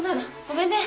ごめんね